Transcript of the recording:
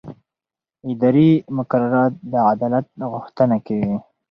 اداري مقررات د عدالت غوښتنه کوي.